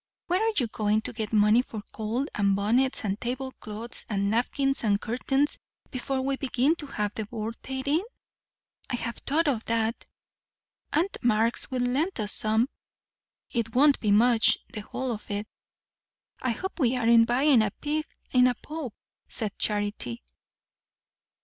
Where are you going to get money for coal and bonnets and tablecloths and napkins and curtains, before we begin to have the board paid in?" "I have thought of that. Aunt Marx will lend us some. It won't be much, the whole of it." "I hope we aren't buying a pig in a poke," said Charity.